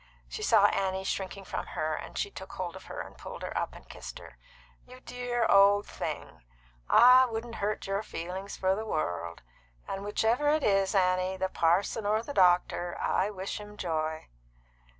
She saw Annie shrinking from her, and she took hold of her, and pulled her up and kissed her. "You dear old thing! I wouldn't hurt your feelings for the world. And whichever it is, Annie, the parson or the doctor, I wish him joy."